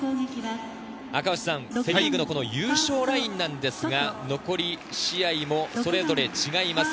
セ・リーグの優勝ラインなんですが、残り試合もそれぞれ違います。